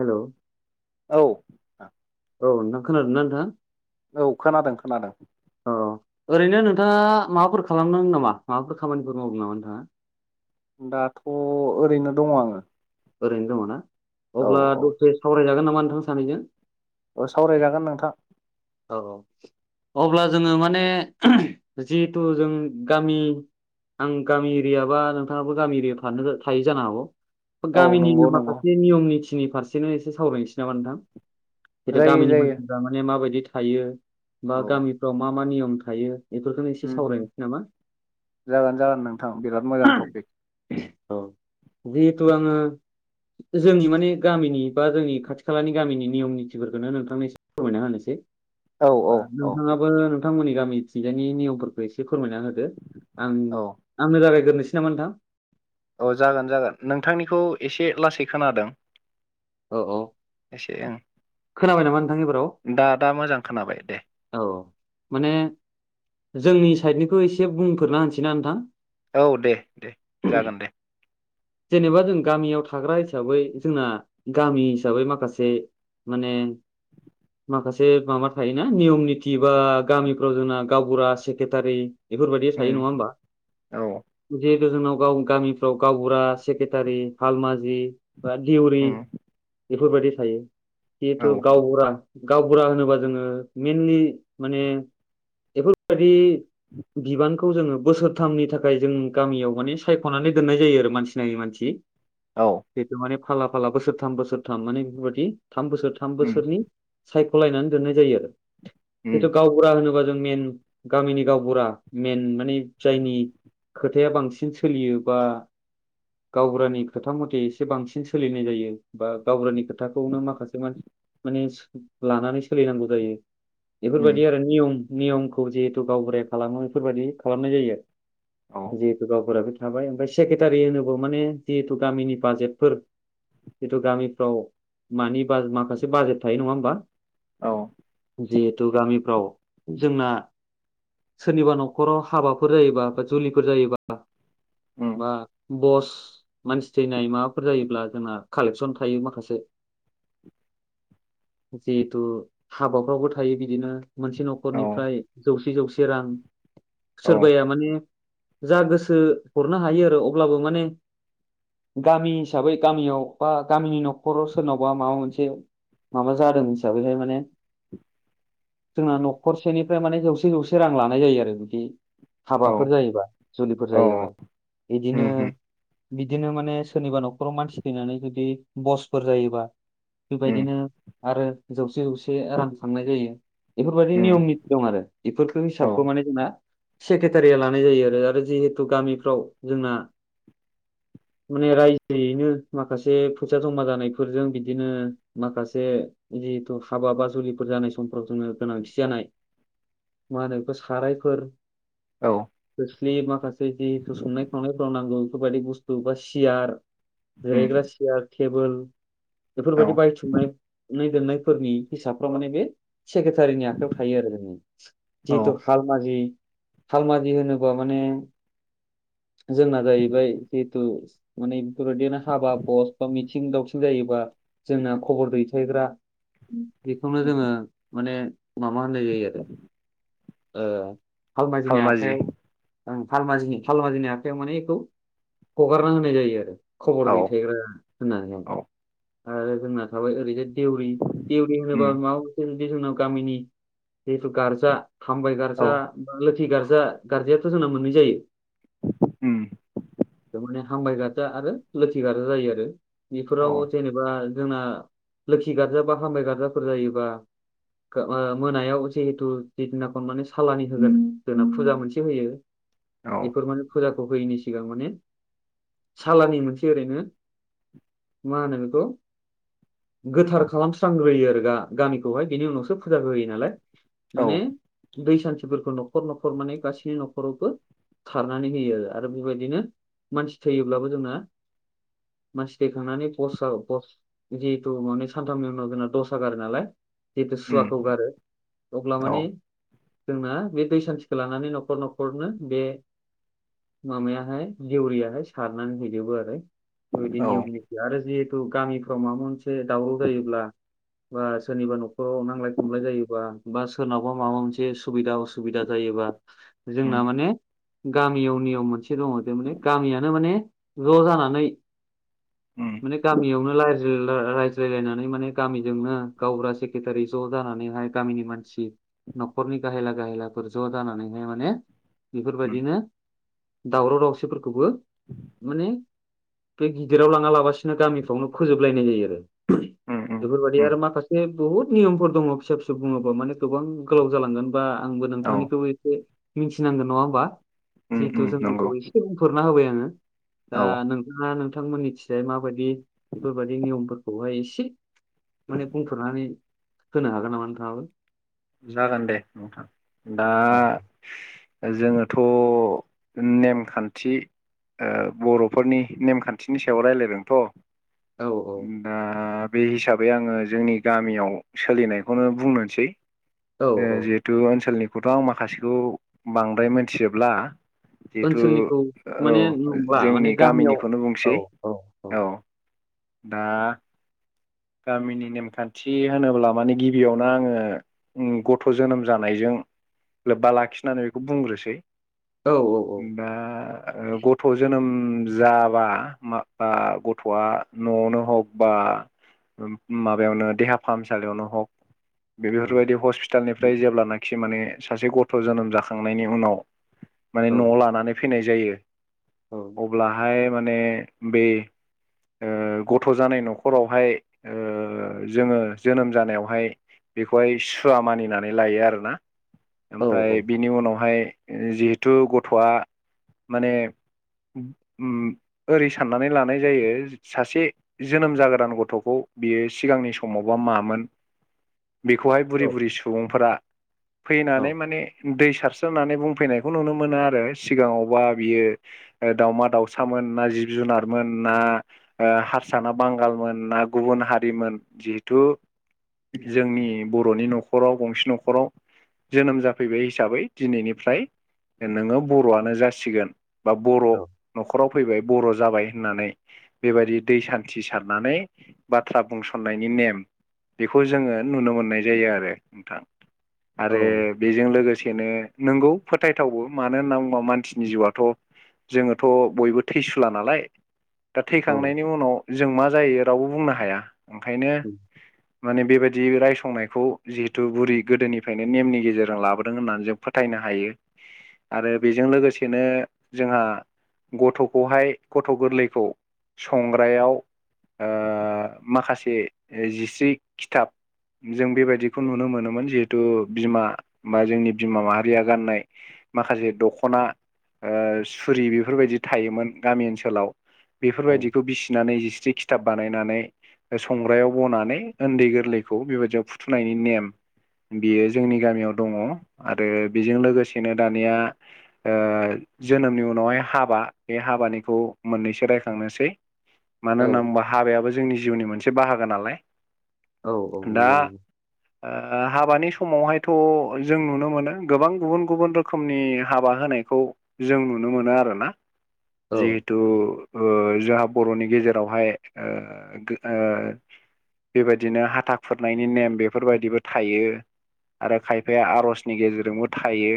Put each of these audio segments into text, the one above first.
Hello औ औ नोंथां खोनादोंना नोंथाङा औ खोनादों खोनादों ओरैनो नोंथाङा माबाफोर खालामदों नामा माबाफोर खामानिफोर मावदों नामा नोंथाङा दाथ' ओरैनो दङ आङो ओरैनो दङ ना औ अब्ला औ दसे सावरायजागोन नामा नोंथां सानैजों औ सावरायजागोन नोंथां औ औ अब्ला जोङो माने जिहेथु जों गामि आं गामि एरियाबा नोंथाङाबो गामि एरियायाव थानो थायो जानो हागौ औ नंगौ गामिनिनो नंगौ माखासे नियम निथिनि फारसेनो एसे सावरायनोसै नामा नोंथां जायो गामिनि जायो मानसिफ्रा माने माबायदि थायो बा औ गामिफ्राव मा मा नियम थायो बेफोरखौनो एसे उम उम सावरायनोसै नामा जागोन जागोन नोंथां बिराद मोजां टपिक औ जिहेथु आङो जोंनि माने गामिनि बा जोंनि खाथि खालानि गामिनि नियम निथिफोरखौनो नोंथांनिसिम फोरमायना होनोसै औ औ बा औ नोंथाङाबो नोंथांमोननि गामिथिजायनि नियमफोरखौ एसे फोरमायना होदो आं औ आंनो रायलायग्रोसै नामा नोंथां औ जागोन जागोन नोंथांनिखौ एसे लासै खोनादों औ औ एसे ओं खोनाबाय नामा नोंथां एबाराव दा दा मोजां खोनाबाय दे औ माने जोंनि साइडनिखौ एसे बुंफोरना होनोसैना औ दे दे नोंथां जागोन दे जेनेबा जों गामियाव थां थाग्रा हिसाबै जोंना गामि हिसाबै माखासे माने माखासे माबा थायोना नियम निति बा गामिफ्राव जोंना गावबुरा सेक्रेटारि बेफोरबायदिया थायो नङा उम होमबा औ जोंनाव गाव गामिफ्राव गावबुरा सेक्रेटारि हालमाजि दिउरि उम बेफोरबायदि थायो औ जिहेथु गावबुरा गावबुरा होनोबा जोङो मेइनलि माने बेफोरबायदि बिबानखौ जोङो बोसोरथामनि थाखाय जों गामियाव माने सायख'नानै दोननाय जायो आरो मानसि नायै मानसि औ जिथु माने फाला फाला बोसोरथाम बोसोरथाम माने बेफोरबायदि थाम बोसोर थाम उम बोसोरनि सायख'लायनानै दोननाय जायो आरो उम जिथु गावबुरा होनोबा जों मेन गामिनि गावबुरा मेन माने जायनि खोथाया बांसिन सोलियोबा गावबुरानि खोथा मथे एसे बांसिन सोलिनाय जायो बा गावबुरानि खोथाखौनो माखासे मानसि माने लानानै सोलिनांगौ जायो उम बेफोरबायदि आरो नियम नियमखौ जिहेतु गावबुराया खालामो बेफोरबायदि खालामनाय जायो औ जिहेथु गावबुरा थाबाय ओमफ्राय सेक्रेटारि होनोबा माने जिहेथु गामिनि बाजेटफोर जिथु गामिफ्राव मानि बा माखासे बाजेट थायो नङा होमबा औ जिहेथु गामिफ्राव जोंना सोरनिबा न'खराव हाबाफोर जायोबा बा जुलिफोर जायोबा उम बा बस मानसि थैनाय माबाफोर जायोब्ला जोंना कालेकसन थायो माखासे जिहेतु हाबा फ्रावबो थायो बिदिनो मोनसे औ न'खरनिफ्राय जौसे जौसे रां औ सोरबाया माने जा गोसो हरनो हायो आरो अब्लाबो माने गामि हिसाबै गामियाव बा गामिनि न'खराव सोरनावबा माबा मोनसे माबा जादों हिसाबैहाय माने जोंना न'खरसेनिफ्राय माने जौसे जौसे रां लानाय जायो आरो बिदि औ हाबाफोर जायोबा जुलिफोर औ जायोबा बिदिनो उम उम बिदिनो माने सोरनिबा न'खराव मानसि फैनानै जुदि बसफोर जायोबा उम बेबायदिनो आरो जौसे जौसे रां खांनाय जायो। बेफोरबायदि उम नियम निथि दं आरो बेफोरखौ औ हिसाबखौ माने जोंना सेक्रेटारिया लानाय जायो आरो आरो जिहेथु गामिफ्राव जोंना माने रायजोयैनो माखासे फैसा जमा जानायफोरजों बिदिनो माखासे जिहेथु खाबा बा जुलि फोर जानाय समफ्राव जोंङो गोनांथि जानाय मा होनो बेफोर सारायफोर औ खोस्लि माखासे जिहेतु संनाय खावनायफ्राव नांगौ बेफोरबायदि बुस्थु बा सियार उम जिरायग्रा सियार टेबोल औ बेफोरबायदि बायथुमनानै [unintelligible] नायफोरनि हिसाबफ्राव माने बे सेक्रेटारिनि आखायाव थायो आरो जोंनि औ जिहेथु हालमाजि हालमाजि होनोबा माने जोंना जाहैबाय जिहेथु माने बेफोरबायदिनो हाबा बस बा मिथिं दावथिं जायोबा जोंना खबर दैथायग्रा बेखौनो उम जोंङो माने माबा होननाय जायो आरो ओ हालमाजिनि खालमाजि आखायाव हालमिनि हालमाजिनि आखायाव माने बेखौ हगारना होनाय जायो आरो खबर औ दैथायग्रा होननानैहाय औ आरो जोंना थाबाय ओरैजाय देउरि देउरि उम होनोबा माबा मोनसे बे जोंनाव गामिनि जिहेथु गारजा हामबाय औ गार्जा बा लोथि गार्जा गार्जायाथ' जोंना मोननै जायो। उम [inaudible] थारमाने हामबाय गार्जा आरो लोखिगार्जा जायो आरो औ बेफोराव जेनेबा जोंना लोखि गार्जा बा हामबाय गार्जाफोर जायोबा मोनायाव जिहेथु जिदिनाखौ माने साालनि होगोन जोंना फुजा मोनसे होयो औ बेफोर माने फुजा होयैनि सिगां माने सालानि मोनसे ओरैनो मा नेमाखौ गोथार खालामस्रांग्रोयो आरो गामिखौहाय बिनि उनावसो फुजा गोयो नालाय औ माने दै सानथि खफोरखौ न'खर न'खर माने गासैनि न'खरावबो खारनानै होयो आरो बेबायदिनो मानसि थैयोब्लाबो जोंना मानसि दैखांनानै पस् जिहेतु माने सानथामनि उनाव जोंना दस ह गार नालाय जिहेथु उम सुवाखौ गारो अब्ला औ माने जोंना बे दै सान्थिखौ लानानै न'खर न'खरनो बे माबायाहाय जेउरियाहाय सारनानै हैजोबो आरो बेबायदि औ नियम निखि आरो जिहेतु गामिफ्राव माबा मोनसे दावराव जायोब्ला बा सोरनिबा न'खराव नांजलाय खमलाय जायोबा बा सोरनावबा माबा मोनसे सुबिदा असुबिदा जायोबा उम जोंना माने गामियाव नियाव मोनसे दंङो जे माने गामियानो माने ज' जानानै उम माने गामियावनो राय रायज्लायलायनानै माने गामिजोंनो गावब्रा सेक्रेटारि ज' जानानैहाय गामिनि मानसि मानसि न'खरनि गाहेला गाहेलाफोर ज' जानानैहाय माने उम बेफोरबायदिनो दावराव दावसिफोरखौबो माने बे गिदिराव लांङा लाबसिनो गामिफ्रावनो फोजोबलायनाय जायो आरो उम उम बेफोरबायाददि उम आरो माखासे बुहुत नियमफोर दङ फिसा फिसौ बुङोब्ला माने गोबां गोलाव जालांगोन बा आंबो औ नोंथांनिखौबो एसे मिथिनांगोन नंङा होमबा उम जिहेथु उम नंगौ जोंनिखौ एसे बुंथरना होबाय आंङो दा औ नोंहा नों नोंथांमोननिथिय माबायदि बेफोरबायदि नियमफोरखौहाय एसे माने बुंथ'नानै होनो हागोन नामा नोंथांङाबो जागोन दे नोंथां दा औ जोङोथ' नेमखान्थि ओ बर'फोरनि नेमखान्थिनि सायाव राय्लायदोंथ' औ दा बे हिसाबै आङो जोंनि गामियाव सोलिनायखौनो बुंनोसै औ ओ औ जिहेतु ओनसोलनिखौथ' आं माखासेखौ बांद्राय मोनथिजोबला जिहेथु ओनसोलनिखौ औ माने नंला माने जोंनि गामियाव गामिनिखौनो बुंसै औ दा गामिनि नेमखान्थि होनोब्ला माने गिबियावनो आङो गथ' जोनोम जानायजों लोब्बा लाखिनानै बेखौ बुंग्रोसै औ औ दा गथ' जोनोम जाबा मा बा गथ'आ न'आवनो हक बा माबायावनो देहा फाहामसालियावनो हक बेफोरबायदि हस्पिटालनिफ्राय जेब्लानाखि माने सासे गथ' जोनोम जाखांनायनि उनाव माने औ न'आव लानानै फैनाय जायो अब्लाहाय माने बे ओ गथ' जानाय न'खरावहाय ओ ओ जोङो जोनोम जानायावहाय बेखौहाय सुवा मानिनानै लायो आरोना औ ओमफफ्राय बिनि उनावहाय जिहेथु गथ'आ माने ओरै साननानै लानाय जायो सासे जोनोम जागोदान गथ'खौ बियो सिगांनि समावबा मामोन बेखौहाय बुरि बुरि सुबुंफोरा औ फैनानै माने दै सारस्रोननानै बुंफैनायखौ नुनो मोनो आरो सिगाङावबा बियो दाउमा दाउसामोन ना जिब जुनारमोन ना हारसा ना बांगालमोन ना गुबुन हारिमोन जिहेथु जोंनि बर'नि न'खराव गंसे न'खराव जोनोम जाफैबाय हिसाबै दिनैनिफ्राय नोङो बर'आनो जासिगोन बा बर' न'खराव फैबाय बर' जाबाय होननानै बेबायदि दै सान्थि सारनानै बाथ्रा बुंसननायनि नेम बेखौ जोङो नुनो मोननाय जायो आरो नोंथां आरो औ बेजों लोगोसे नो नोंगौ फोथायथावबो मानो होनना बुङोबा मानसिनि जिउआथ' जोङोथ' बयबो थैसुला नालाय दा थैखांनायनि उनाव जों मा जायो रावबो बुंनो हाया ओंखायनो औ माने बेबायदि दि रायसंनायखौ जिहेथु बुरि गोदोनिफ्रायनो नेमनि गेजेरजों लाबोदों होननानै जों फोथायनो हायो [inaudible] आरो बेजों लोगोसेनो जोंहा गथ'खौहाय गथ' गोरलैखौ संग्रायाव ओ माखासे जिस्रि खिथाब जों बेबायदिखौ नुनो मोनोमोन जिहेथु बिमा बा जोंनि बिमा माहारिया गाननाय माखासे दख'ना ओ सुरि बेफोरबायदि थायोमोन गामि ओनसोलाव औ बेफोरबायदिखौ बिसिनानै जिस्रि खिथाब बानायनानै संग्रायाव बनानै उन्दै गोरलैखौ बेबायदियाव फुथुनायनि नेम बियो जोंनि गामियाव दङ आरो बेजों लोगोसेनो दानिया ओ जोनोमनि उनावहाय हाबा बे हाबानिखौ मोननैसो राय- खांनोसै मानो औ होनना बुङोबा हाबायाबो जोंनि जिउनि मोनसे बाहागो नालाय औ दा नंगौ नंगौ ओ हाबानि बे समावहायथ' जों नुनो मोनो गोबां गुबुन गुबुन रोखोमनि हाबा होनायखौ जों नुनो मोनो आरोना औ जिहेथु ओ जोंहा बर'नि गेजेरावहाय ओ बेबायदिनो हाथा खुरनायनि नेम बेफोरबायदिबो थायो आरो खायफाया आर'जनि गेजेरजोंबो थायो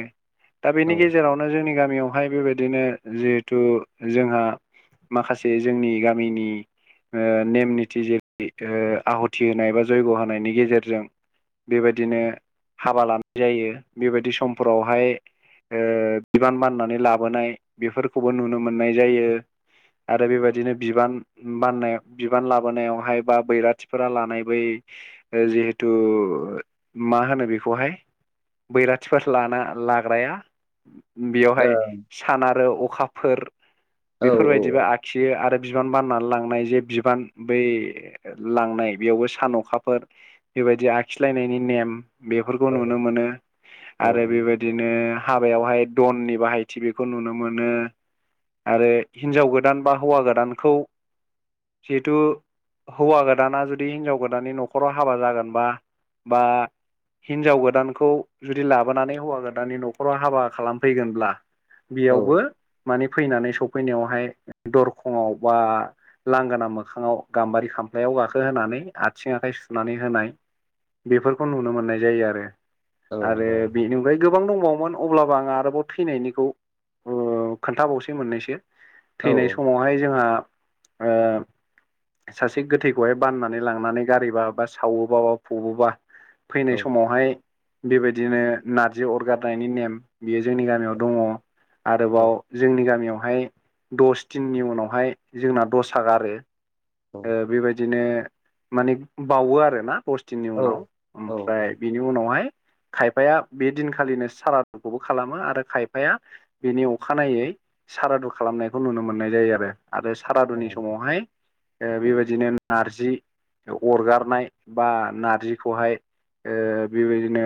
दा औ बेनि गेजेरावनो जोंनि गामियावहाय बेबायदिनो जिहेथु जोंहा माखासे जोंनि गामिनि नेम निथि जेरै आहुथि होनाय बा जयग' होनायनि गेजेरजों बेबायदिनो हाबा लानाय जायो बेबायदि समफोरावहाय बिबान बाननानै लाबोनाय बेफोरखौबो नुनो मोननाय जायो आरो बेबायदिनो बिबान बाननायाव बिबान लाबोनायावहाय बा बैराथिफोरा लानाय बै जिहेथु मा होनो बेखौहाय बैराथिफोर लाना लाग्राया बेयावहाय सान आरो अखाफोर ओ औ बेफोरबायदिबो आखियो आरो बिबान बाननानै लांनाय जे बिबान बै लांनाय बेयावबो सान अखाफोर बेबायदि आखिलायनायनि नेम बेफोरखौ नुनो मोनो औ आरो बेबायदिनो हाबायावहाय दननि बाहायथि बेखौ नुनो मोनो आरो हिनजाव गोदान बा हौवा गोदानखौ जिहेथु हौवा गोदाना जुदि हिनजाव गोदाननि न'खराव हाबा जागोनबा बा हिनजाव गोदानखौ जुदि लाबोनानै हौवा गोदाननि न'खराव हाबा खालामफैगोनब्ला औ बेयावबो माने फैनानै सफ फैनायावहाय दरखंवाव बा लांगोना मोखाङाव गाम्बारि खामफ्लायाव गाखो होनोनानै आथिं आखाइ सुनानै होनाय बेफोरखौ नुनो मोन्नाय जायो आरो आरो बेनि अनगायै गोब गोबां दंबावोमोन अब्लाबो आंङो आरोबाव थैनायनिखौ खोन्थाबावसै मोननायसो औ थैनाय समावहाय जोंहा सासे गोथैखौहाय बाननानै लांनानै गारैबा बा सावोबा बा फुबोबा फैनाय समावहाय बेबायदिनो नारजि अरगारनायनि नेम बेयो जोंनि गामियाव दङ आरोबाव जोंनि गामियावहाय दस दिननि उनावहाय जोंना दसा होगारो बेबायदिनो माने बावो आरोना दसदिननि उनाव औ ओमफ्राय बिनि उनावहाय खायफाया बे दिनखालिनो सारादुखौबो खालामो आरो खायफाया बेनि अखानायै सारादु खालामनायखौ नुनो मोननाय जायो आरो आरो सारादुनि समावहाय बेबायदिनो नारजि अरगारनाय बा नारजिखौहाय बेबायदिनो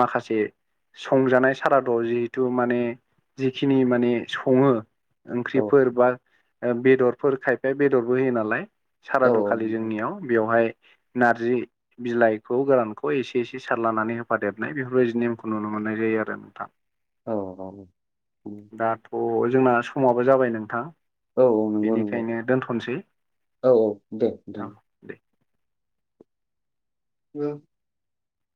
माखासे संजानाय साराद' जिहेतु माने जिखिनि माने सङो ओंख्रिफोर बा बेदरफोर खायफाया बेदरबो होयो नालाय सारादुखालि जोंनियाव बेवहाय नारजि बिलाइखौ गोरानखौ एसे एसे सारलानानै होफादेरनाय बेफोरबायदि नेमखौ नुनो मोनो मोननाय जायो आरो नोंथाङां औ औ थ जोंना समाबो जाबाय नोंथां नंगौ नंगौ बेनिखायनो दोनथ'सै औ औ दे नोंथां औ